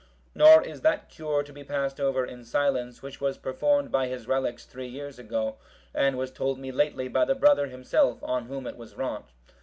Nor is that cure to be passed over in silence, which was performed by his relics three years ago, and was told me lately by the brother himself, on whom it was wrought.